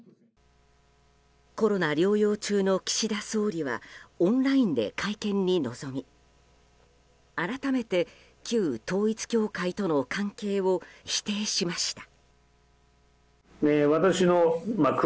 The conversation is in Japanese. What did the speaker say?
コロナ療養中の岸田総理はオンラインで会見に臨み改めて、旧統一教会との関係を否定しました。